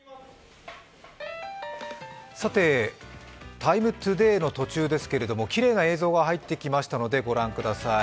「ＴＩＭＥ，ＴＯＤＡＹ」の途中ですけれどもきれいな映像が入ってきましたので御覧ください。